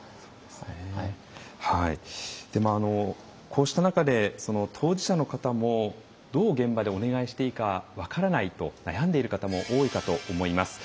こうした中で当事者の方もどう現場でお願いしていいか分からないと悩んでいる方も多いかと思います。